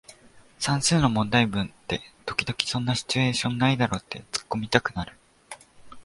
算数の問題文って時々そんなシチュエーションないだろってツッコミたくなる